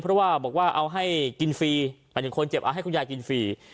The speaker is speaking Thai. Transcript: เพราะว่าบอกว่าเป็นคนที่เจ็บแล้วปล่อยให้คุณยายกินเฟรี